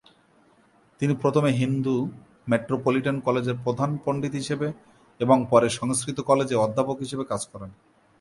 তিনি প্রথমে হিন্দু মেট্রোপলিটন কলেজে প্রধান পণ্ডিত হিসেবে এবং পরে সংস্কৃত কলেজে অধ্যাপক হিসেবে কাজ করেন।